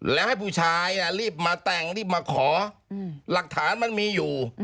แล้วให้ผู้ชายรีบมาแต่งรีบมาขอหลักฐานมันมีอยู่